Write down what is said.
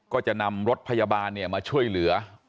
ก็จะนำรถพยาบาลมาช่วยเหลือ